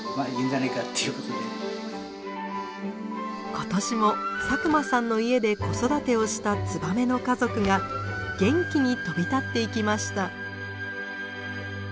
今年も佐久間さんの家で子育てをしたツバメの家族が元気に飛び立っていきました。